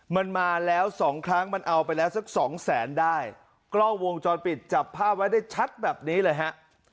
มันมาแล้วสองครั้งมันเอาไปแล้วสักสองแสนได้กล้องวงจรปิดจับภาพไว้ได้ชัดแบบนี้เลยฮะ